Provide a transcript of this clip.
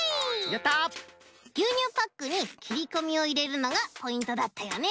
やったぎゅうにゅうパックにきりこみをいれるのがポイントだったよね